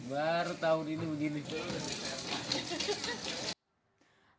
baru tahun ini begini